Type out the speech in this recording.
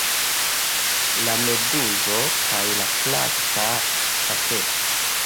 La meduzo kaj la plasta saketo